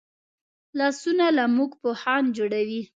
لاسونه له موږ پوهان جوړوي